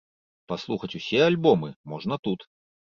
Паслухаць усе альбомы можна тут.